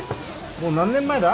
もう何年前だ？